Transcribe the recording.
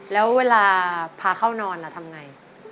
แล้วเวลาพาเข้านอนทำไง